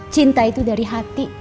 cinta itu dari hati